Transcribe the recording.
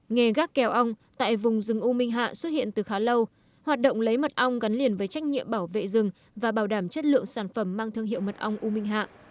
nghề gác kèo ong tại vùng rừng u minh hạ xuất hiện từ khá lâu hoạt động lấy mật ong gắn liền với trách nhiệm bảo vệ rừng và bảo đảm chất lượng sản phẩm mang thương hiệu mật ong u minh hạ